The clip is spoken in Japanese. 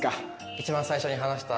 一番最初に話した。